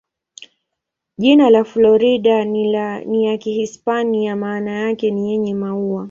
Jina la Florida ni ya Kihispania, maana yake ni "yenye maua".